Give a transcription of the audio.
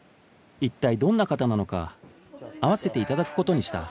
一体どんな方なのか会わせていただく事にした